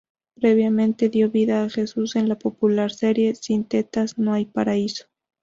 Previamente, dio vida a Jesús en la popular serie "Sin tetas no hay paraíso".